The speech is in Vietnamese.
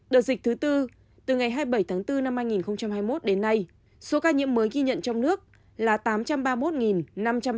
đợt dịch thứ bốn từ ngày hai mươi bảy tháng bốn năm hai nghìn hai mươi một đến nay số ca nhiễm mới ghi nhận trong nước là tám trăm ba mươi một năm trăm hai mươi ba ca